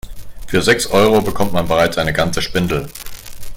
Für sechs Euro bekommt man bereits eine ganze Spindel.